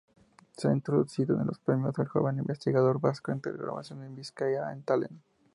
Se han introducido los Premios al Joven Investigador Vasco en colaboración con Bizkaia Talent.